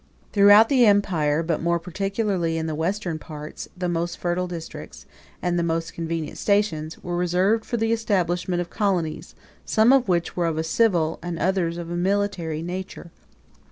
Throughout the empire, but more particularly in the western parts, the most fertile districts, and the most convenient situations, were reserved for the establishment of colonies; some of which were of a civil, and others of a military nature.